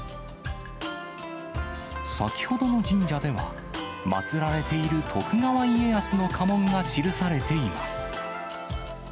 先ほどの神社では、祭られている徳川家康の家紋が記されています。